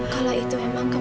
haa orang yang indah